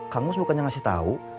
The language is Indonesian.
kang mus bukannya ngasih tau